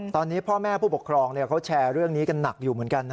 ตอนนี้พ่อแม่ผู้ปกครองเขาแชร์เรื่องนี้กันหนักอยู่เหมือนกันนะ